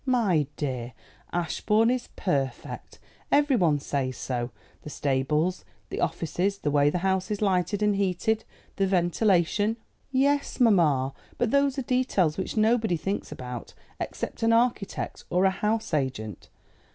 "My dear, Ashbourne is perfect. Everyone says so. The stables, the offices, the way the house is lighted and heated, the ventilation." "Yes, mamma; but those are details which nobody thinks about except an architect or a house agent.